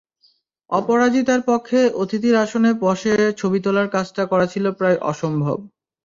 অপরাজিতার পক্ষে অতিথির আসনে বসে ছবি তোলার কাজটা করা ছিল প্রায় অসম্ভব।